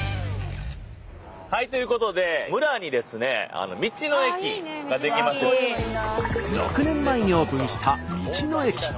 はいということで６年前にオープンした道の駅。